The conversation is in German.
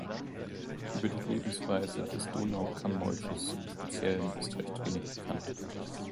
Über die Lebensweise des Donau-Kammmolches im Speziellen ist recht wenig bekannt.